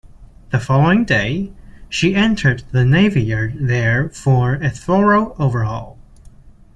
The following day, she entered the navy yard there for a thorough overhaul.